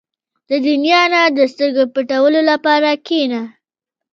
• د دنیا نه د سترګو پټولو لپاره کښېنه.